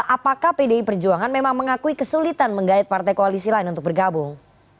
apakah pdi perjuangan memang mengakui kesulitan menggait partai koalisi lain untuk bergabung